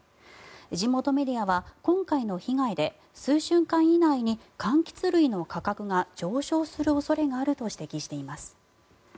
地元メディアは今回の被害で数週間以内に柑橘類の価格が上昇する恐れがあると指摘しています。